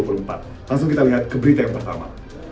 langsung kita lihat keberitaan pertama